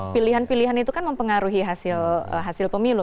pilihan pilihan itu kan mempengaruhi hasil pemilu